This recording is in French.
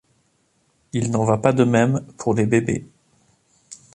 Il n'en va pas de même pour les bébés.